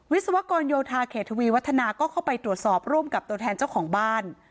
ศวกรโยธาเขตทวีวัฒนาก็เข้าไปตรวจสอบร่วมกับตัวแทนเจ้าของบ้าน